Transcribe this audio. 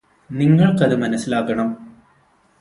നിങ്ങള്ക്കത് മനസ്സിലാകണം